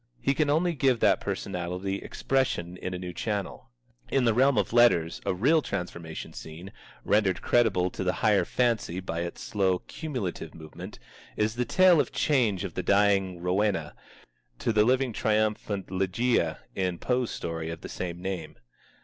He can only give that personality expression in a new channel. In the realm of letters, a real transformation scene, rendered credible to the higher fancy by its slow cumulative movement, is the tale of the change of the dying Rowena to the living triumphant Ligeia in Poe's story of that name.